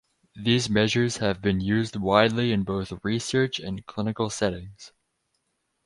These measures have been used widely in both research and clinical settings.